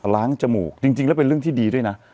จมูกจริงแล้วเป็นเรื่องที่ดีด้วยนะ